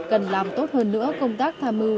cần làm tốt hơn nữa công tác tham mưu